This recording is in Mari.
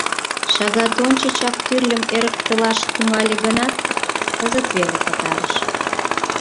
Шагат ончычак тӱрлым эрыктылаш тӱҥале гынат, кызыт веле пытарыш.